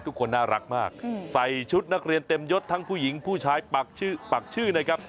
ทุกคนน่ารักมากใส่ชุดนักเรียนเต็มยดทั้งผู้หญิงผู้ชายปากชื่อปากชื่อนะครับ